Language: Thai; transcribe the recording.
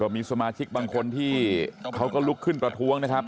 มีสมาชิกบางคนที่เขาก็ลุกขึ้นประท้วงนะครับ